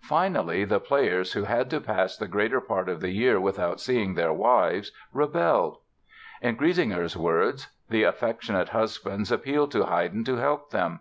Finally, the players who had to pass the greater part of the year without seeing their wives, rebelled. In Griesinger's words: "The affectionate husbands appealed to Haydn to help them.